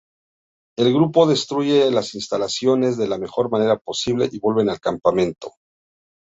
El grupo destruye las instalaciones de la mejor manera posible y vuelven al campamento.